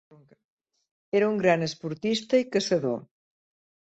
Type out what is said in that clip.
Era un gran esportista i caçador.